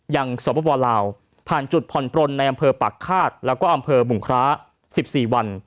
สปลาวผ่านจุดผ่อนปลนในอำเภอปากฆาตแล้วก็อำเภอบุงคร้า๑๔วัน